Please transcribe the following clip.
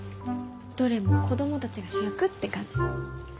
どれも子供たちが主役って感じで。